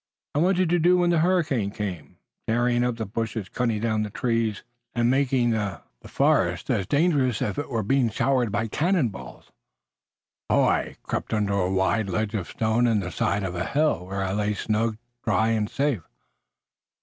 "And what did you do when the hurricane came, tearing up the bushes, cutting down the trees, and making the forest as dangerous as if it were being showered by cannon balls?" "I crept under a wide ledge of stone in the side of a hill, where I lay snug, dry and safe."